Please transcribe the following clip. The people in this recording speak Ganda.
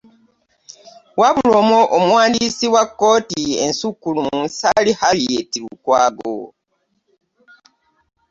Wabula Omuwandiisi wa kkooti ensukkulumu lSsali Harriet Lukwago